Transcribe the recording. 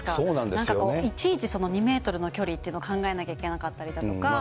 なんかいちいち、２メートルの距離というのを考えなきゃいけなかったりだとか。